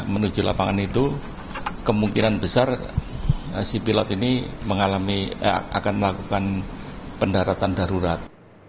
menuju lapangan itu kemungkinan besar si pilot ini akan melakukan pendaratan darurat